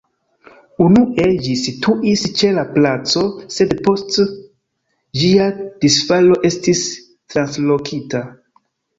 Unue ĝi situis ĉe la placo, sed post ĝia disfalo estis translokita.